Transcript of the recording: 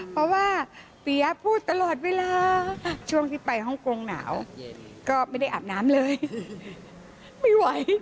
เพราะว่าเปี๊ยพูดตลอดเวลาช่วงที่ไปฮ่องกงหนาวก็ไม่ได้อาบน้ำเลยไม่ไหว